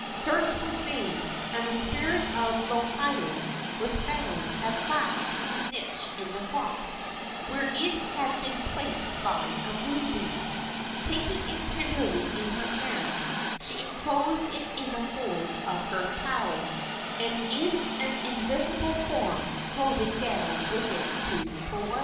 Search was made, and the spirit of Lohiau was found at last in a niche in the rocks, where it had been placed by a moonbeam. Taking it tenderly in her hand, she enclosed it in a fold of her pau, and in an invisible form floated down with it to Puoa.